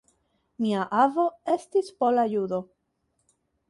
Mia avo estis pola judo.